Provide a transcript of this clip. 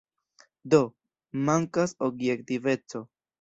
Do, mankas objektiveco.